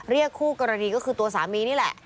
คู่กรณีก็คือตัวสามีนี่แหละ